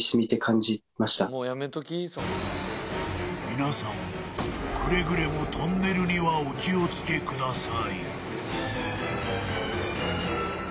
皆さんもくれぐれもトンネルにはお気をつけください